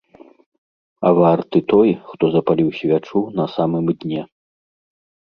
А варты той, хто запаліў свячу на самым дне.